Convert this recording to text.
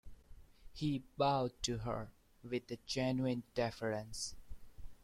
He bowed to her with a genuine deference.